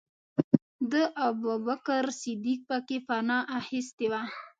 ده او ابوبکر صدیق پکې پنا اخستې وه.